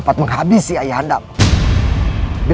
saya itu paham saja